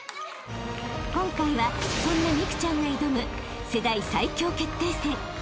［今回はそんな美空ちゃんが挑む世代最強決定戦］